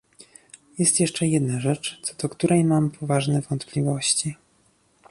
Jest jeszcze jedna rzecz, co do której mam poważne wątpliwości